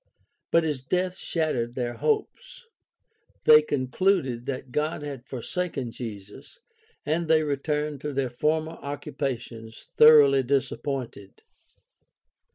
But his death shattered their hopes. They concluded that God had forsaken Jesus, and they returned to their former occupations thoroughly dis appointed.